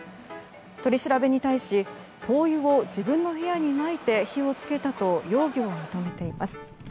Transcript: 取り調べに対し灯油を自分の部屋にまいて火を付けたと容疑を認めています。